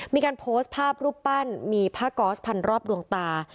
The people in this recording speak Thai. มีการโพสต์ภาพรูปปั้นมีผ้าก๊อสพันรอบดวงตา